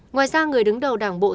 ngoài ra người đứng đầu đảng bộ tp hcm